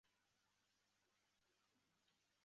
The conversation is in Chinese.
灰毛齿缘草是紫草科齿缘草属的植物。